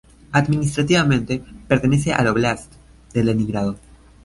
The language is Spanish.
Administrativamente, pertenece al óblast de Leningrado.